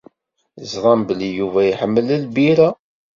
Teẓram belli Yuba iḥemmel lbirra.